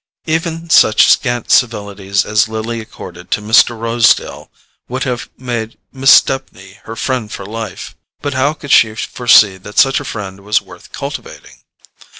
Even such scant civilities as Lily accorded to Mr. Rosedale would have made Miss Stepney her friend for life; but how could she foresee that such a friend was worth cultivating?